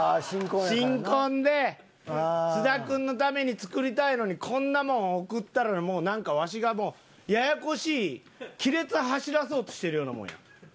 新婚で菅田君のために作りたいのにこんなもん贈ったらなんかわしがもうややこしい亀裂走らそうとしてるようなもんやん。